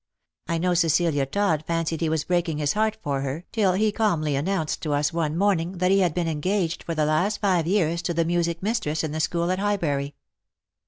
I know Cecilia Todd fancied he was breaking his heart for her, till he calmly announced to us one morning that he had been engaged for the last five years to the music mistress in a school at Highbury."